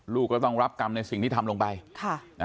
ลูกก็ต้องรับกรรมในสิ่งที่ทำลงไป